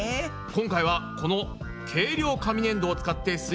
今回はこの軽量紙ねんどを使ってす